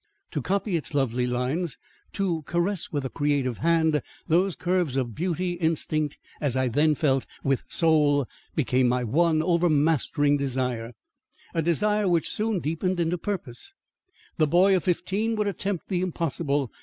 To copy its lovely lines, to caress with a creative hand those curves of beauty instinct, as I then felt, with soul, became my one overmastering desire, a desire which soon deepened into purpose. The boy of fifteen would attempt the impossible.